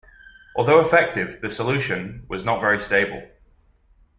Although effective, the solution was not very stable.